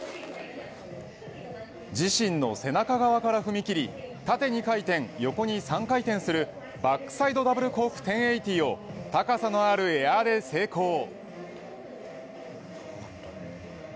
自身の背中側から踏み切り縦２回転、縦に３回転するバックサイドダブルコーク１０８０を高さのあるエアで成功。